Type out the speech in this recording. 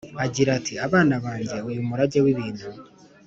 agira ati: “bana bange, uyu murage w’ibintu